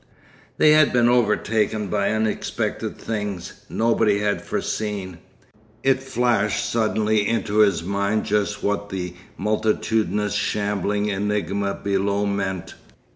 They had been overtaken by unexpected things. Nobody had foreseen—— It flashed suddenly into his mind just what the multitudinous shambling enigma below meant.